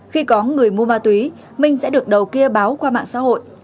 khi có người mua ma túy minh sẽ được đầu kia báo qua mạng xã hội